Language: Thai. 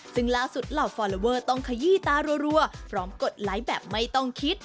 ซึ่งล่าสุดเหล่าฟอลลอเวอร์ต้องขยี้ตารัวพร้อมกดไลค์แบบไม่ต้องคิด